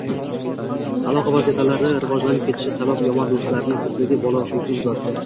Aloqa vositalari rivojlanib ketishi sabab yomon do‘stlarning ko‘pligi bola xulqini buzadi.